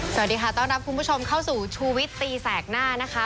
สวัสดีค่ะต้อนรับคุณผู้ชมเข้าสู่ชูวิตตีแสกหน้านะคะ